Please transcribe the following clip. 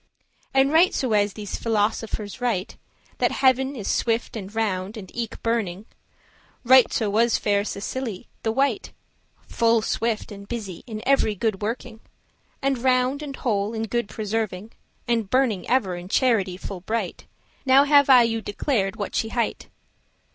And right so as these philosophers write, That heav'n is swift and round, and eke burning, Right so was faire Cecilie the white Full swift and busy in every good working, And round and whole in good persevering, <8> And burning ever in charity full bright; Now have I you declared *what she hight.